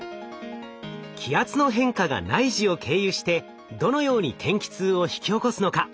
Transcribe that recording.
気圧の変化が内耳を経由してどのように天気痛を引き起こすのか？